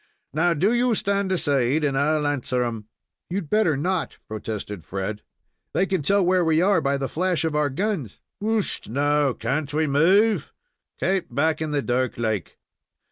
Now, do ye stand aside, and I'll answer 'em." "You'd better not," protested Fred. "They can tell where we are by the flash of our guns." "Whisht, now, can't we move? Kape back in the dark like."